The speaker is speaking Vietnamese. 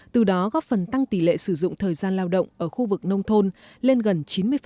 từ đó góp phần tăng tỷ lệ sử dụng thời gian lao động ở khu vực nông thôn lên gần chín mươi